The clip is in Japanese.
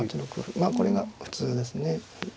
まあこれが普通ですね。